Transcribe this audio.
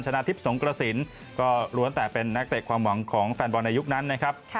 นาทิพย์สงกระสินก็ล้วนแต่เป็นนักเตะความหวังของแฟนบอลในยุคนั้นนะครับ